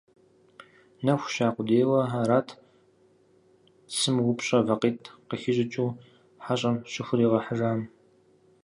Нэху ща къудейуэ арат цым упщӀэ вакъитӀ къыхищӀыкӀыу хьэщӀэм щыхуригъэхьыжам.